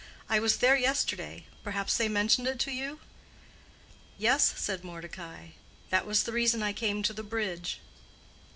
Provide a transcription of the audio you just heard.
I was there yesterday—perhaps they mentioned it to you?" "Yes," said Mordecai; "that was the reason I came to the bridge."